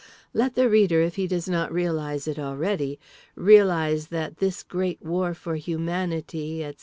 Let the reader—if he does not realise it already—realise that This Great War for Humanity, etc.